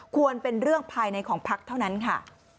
ควรเป็นเรื่องภายในของพักเท่านั้นค่ะ